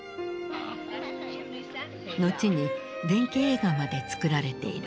後に伝記映画まで作られている。